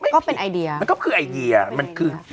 ก็เป็นไอเดียมันก็คือไอเดียมันคือ